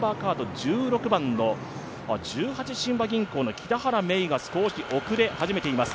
１６番の十八親和銀行の北原芽依が少し遅れ始めています。